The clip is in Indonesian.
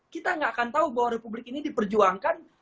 kita nggak akan tahu bahwa republik ini diperjuangkan